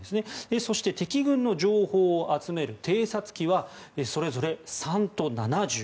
そして、敵軍の情報を集める偵察機はそれぞれ３と７７。